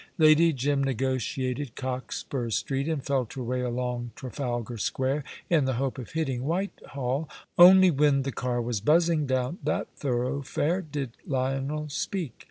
Lady Jim negotiated Cockspur Street and felt her way along Trafalgar Square in the hope of hitting Whitehall. Only when the car was buzzing down that thoroughfare did Lionel speak.